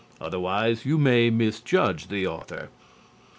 Otherwise you may misjudge the author.